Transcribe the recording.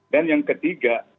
dan yang ketiga